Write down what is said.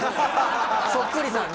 そっくりさんね。